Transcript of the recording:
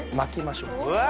うわ！